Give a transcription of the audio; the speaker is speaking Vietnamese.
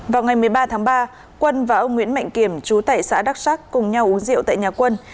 vào ngày một mươi ba tháng ba quân và ông nguyễn mạnh kiểm chú tại xã đắk sắc cùng nhau uống rượu tại nhà quân